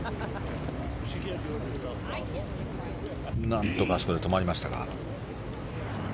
何とかあそこで止まりましたか。